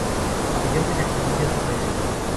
Pabellón de sacrificio de reses.